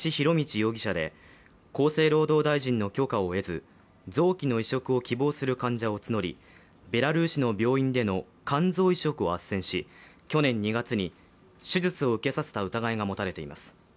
容疑者で厚生労働大臣の許可を得ず、臓器の移植を希望する患者を募り、ベラルーシの病院での肝臓移植をあっせんし、去年２月に手術を受けさせた疑いが持たれています。